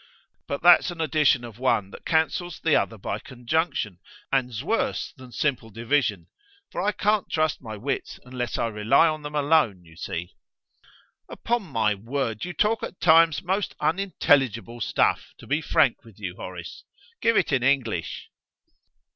"But that's an addition of one that cancels the other by conjunction, and's worse than simple division: for I can't trust my wits unless I rely on them alone, you see." "Upon my word, you talk at times most unintelligible stuff, to be frank with you, Horace. Give it in English."